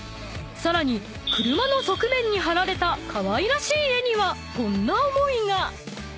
［さらに車の側面に貼られたかわいらしい絵にはこんな思いが］